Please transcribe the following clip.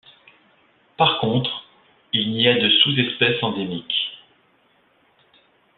Par contre, il n'y a de sous-espèce endémique.